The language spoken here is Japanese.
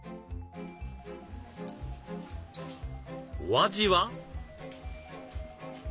お味は？